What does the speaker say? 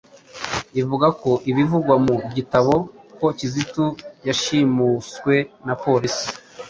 ivuga ko ibivugwa mu gitabo ko Kizito yashimuswe na polisi